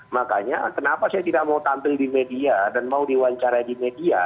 makanya kenapa saya tidak mau tampil di media dan mau diwawancara di media